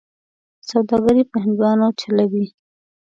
سوداګري په هندوانو چلوي.